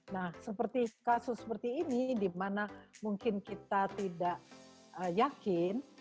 nah seperti kasus seperti ini di mana mungkin kita tidak yakin